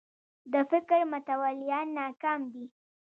د فکر متولیان ناکام دي